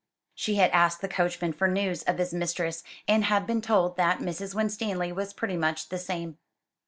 She had asked the coachman for news of his mistress, and had been told that Mrs. Winstanley was pretty much the same.